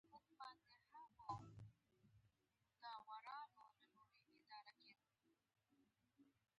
غریب د بې وسۍ قهرمان دی